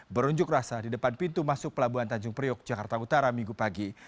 berunjuk rasa di depan pintu masuk pelabuhan tanjung priok jakarta utara minggu pagi